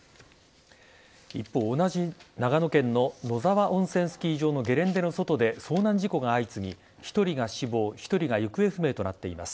一方、同じ長野県の野沢温泉スキー場のゲレンデの外で遭難事故が相次ぎ１人が死亡１人が行方不明となっています。